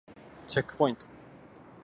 チェックポイント